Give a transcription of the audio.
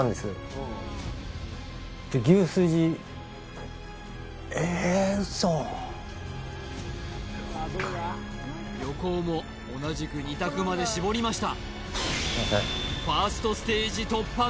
これえウソ横尾も同じく２択まで絞りました